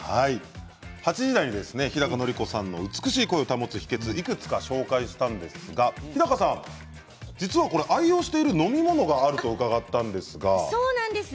８時台に日高のり子さんの若々しい声を保つ秘けつをいくつかご紹介したんですが日高さん、愛用している飲み物があると伺ったんですがそうなんです。